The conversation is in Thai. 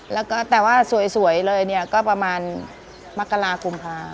แล้วก็แต่ว่าสวยเลยเนี่ยก็ประมาณมกรากุมภา